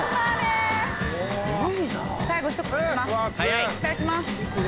いただきます。